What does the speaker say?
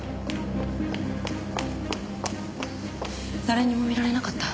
誰にも見られなかった？